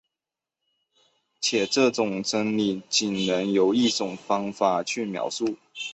且这种真理仅能由一种方法去描述。